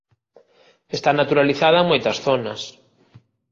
Está naturalizada en moitas zonas.